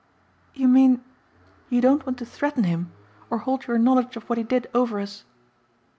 "You mean you don't want to threaten him or hold your knowledge of what he did over us?"